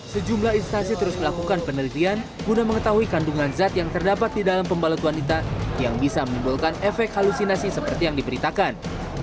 sejumlah instansi terus melakukan penelitian guna mengetahui kandungan zat yang terdapat di dalam pembalut wanita yang bisa menimbulkan efek halusinasi seperti yang diberitakan